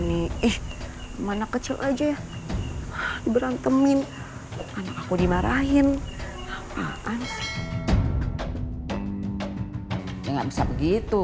nih ih mana kecil aja ya di berantemin anak aku dimarahin apaan ya nggak bisa begitu